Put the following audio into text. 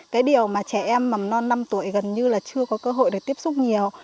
cái điều mà trẻ em mầm non năm tuổi gần như là chưa có cơ hội để tiếp xúc nhiều